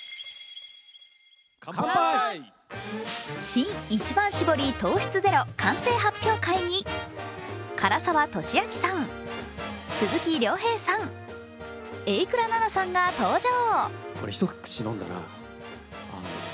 新一番搾り糖質ゼロ完成発表会に唐沢寿明さん、鈴木亮平さん、榮倉奈々さんが登場。